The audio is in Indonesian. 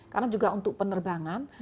karena juga untuk penerbangan